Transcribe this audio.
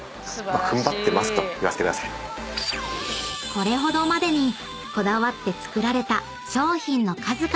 ［これほどまでにこだわって作られた商品の数々］